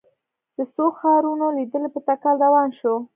د څو ښارونو لیدنې په تکل روان شوو.